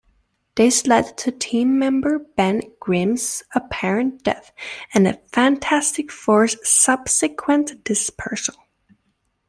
This led to team-member Ben Grimm's apparent death and the Fantastic Four's subsequent dispersal.